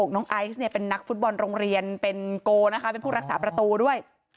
น้องไอซ์เนี่ยเป็นนักฟุตบอลโรงเรียนเป็นโกนะคะเป็นผู้รักษาประตูด้วย